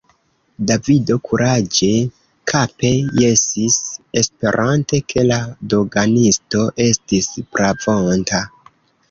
Davido kuraĝe kape jesis, esperante, ke la doganisto estis pravonta.